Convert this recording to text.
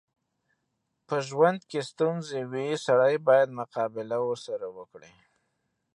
په ژوند کې ستونځې وي، سړی بايد ورسره مقابله وکړي.